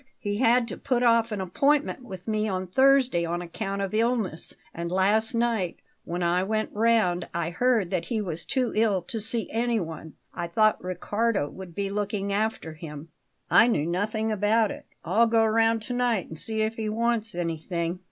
He had to put off an appointment with me on Thursday on account of illness; and last night, when I went round, I heard that he was too ill to see anyone. I thought Riccardo would be looking after him." "I knew nothing about it. I'll go round to night and see if he wants anything."